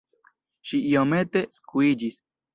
Ŝi iomete skuiĝis.